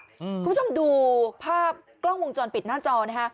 คุณผู้ชมดูภาพกล้องวงจรปิดหน้าจอนะฮะ